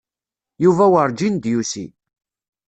Yuba werǧin d-yusi.